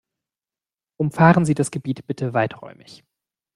Umfahren Sie das Gebiet bitte weiträumig.